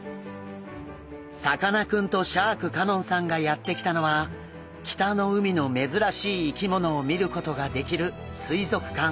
さかなクンとシャーク香音さんがやって来たのは北の海の珍しい生き物を見ることができる水族館。